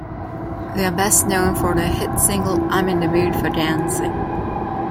They are best known for their hit single "I'm In the Mood for Dancing".